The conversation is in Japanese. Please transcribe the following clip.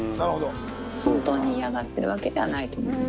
本当に嫌がってるわけではないと思います。